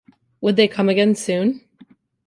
Would they come again soon?